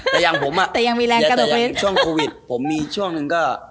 แต่อย่างผมอะแต่อย่างช่วงโควิดผมมีช่วงนึงก็